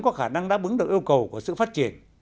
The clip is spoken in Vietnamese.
có khả năng đáp ứng được yêu cầu của sự phát triển